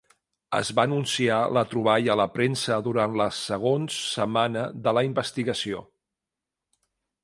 Es va anunciar la troballa a la premsa durant la segons setmana de la investigació.